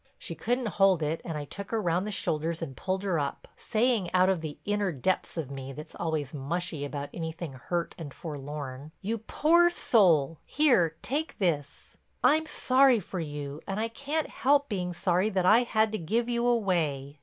She couldn't hold it and I took her round the shoulders and pulled her up, saying out of the inner depths of me, that's always mushy about anything hurt and forlorn: "You, poor soul, here take this. I'm sorry for you, and I can't help being sorry that I had to give you away."